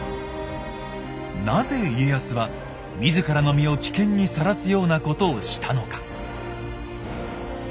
なぜ家康は自らの身を危険にさらすようなことをしたのか。